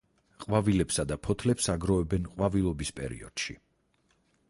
ყვავილებსა და ფოთლებს აგროვებენ ყვავილობის პერიოდში.